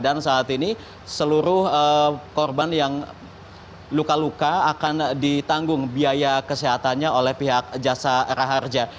dan saat ini seluruh korban yang luka luka akan ditanggung biaya kesehatannya oleh pihak jasa hara harja